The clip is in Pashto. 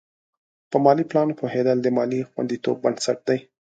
په مالي پلان پوهېدل د مالي خوندیتوب بنسټ دی.